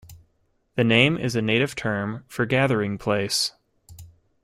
The name is a native term for "gathering place".